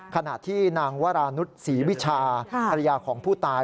ขณะที่นางวรานุษย์ศรีวิชาภรรยาของผู้ตาย